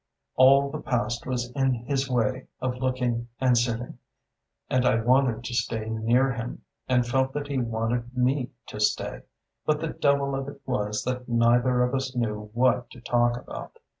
All the past was in his way of looking and sitting, and I wanted to stay near him, and felt that he wanted me to stay; but the devil of it was that neither of us knew what to talk about.